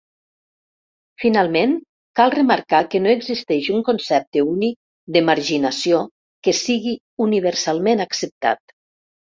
Finalment, cal remarcar que no existeix un concepte únic de marginació que sigui universalment acceptat.